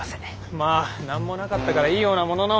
まあ何もなかったからいいようなものの。